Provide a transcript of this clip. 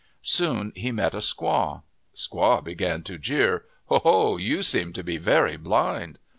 Soon he met a squaw. Squaw began to jeer : "Oh, ho, you seem to be very blind."